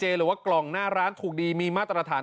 หรือว่ากล่องหน้าร้านถูกดีมีมาตรฐาน